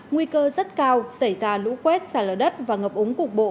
nguy cơ rất cao xảy ra lũ quét sạt lở đất và ngập ống cục bộ